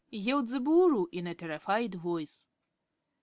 yelled the Boolooroo in a terrified voice.